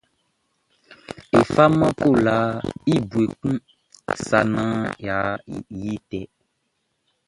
E faman kolaʼn i bue kun sa naan yʼa yi tɛ.